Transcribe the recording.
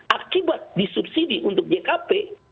akibat disubsidi untuk jkp